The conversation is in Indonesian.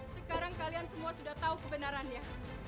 sekarang kalian semua sudah tahu kebenarannya